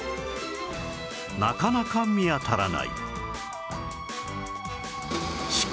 なかなか見当たらない